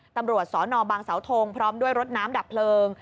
ตำรวจสนบางเสาทงพร้อมด้วยรถน้ำดับเพลิง